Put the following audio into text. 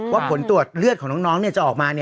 ผลตรวจเลือดของน้องจะออกมา